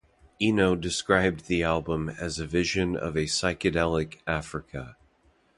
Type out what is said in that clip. Eno described the album as a vision of a psychedelic Africa.